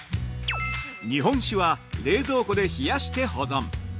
◆日本酒は冷蔵庫で冷やして保存。